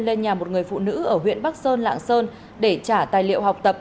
lên nhà một người phụ nữ ở huyện bắc sơn lạng sơn để trả tài liệu học tập